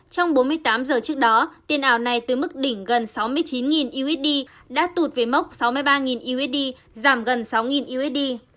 trong bốn mươi tám giờ trước đó tiền ảo này từ mức đỉnh gần sáu mươi chín usd đã tụt về mốc sáu mươi ba usd giảm gần sáu usd